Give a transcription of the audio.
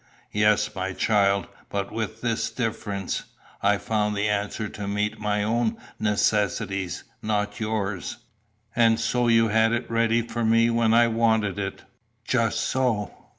"Yes, my child; but with this difference I found the answer to meet my own necessities, not yours." "And so you had it ready for me when I wanted it." "Just so.